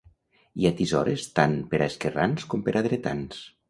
Hi ha tisores tant per a esquerrans com per a dretans.